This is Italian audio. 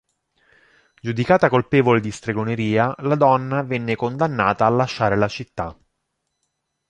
Giudicata colpevole di stregoneria la donna venne condannata a lasciare la città.